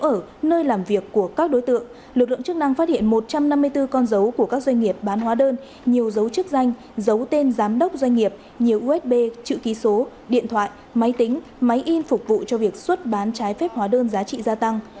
ở nơi làm việc của các đối tượng lực lượng chức năng phát hiện một trăm năm mươi bốn con dấu của các doanh nghiệp bán hóa đơn nhiều dấu chức danh dấu tên giám đốc doanh nghiệp nhiều usb chữ ký số điện thoại máy tính máy in phục vụ cho việc xuất bán trái phép hóa đơn giá trị gia tăng